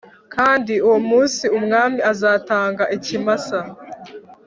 Kandi uwo munsi umwami azatanga ikimasa